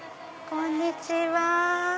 こんにちは。